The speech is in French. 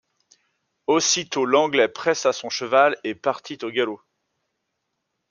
Aussitôt l’Anglais pressa son cheval et partit au galop.